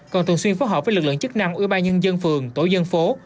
còn thường xuyên phối hợp với lực lượng chức năng ưu ba nhân dân phường tổ dân phố